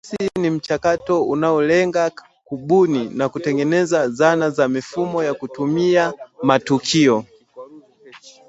Uhandisi ni mchakato unaolenga kubuni na kutengeneza zana na mifumo ya kutumia matukio